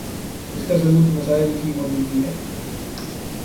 اسکا ثبوت مسائل کی موجودگی ہے